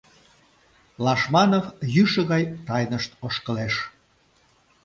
Лашманов йӱшӧ гай тайнышт ошкылеш.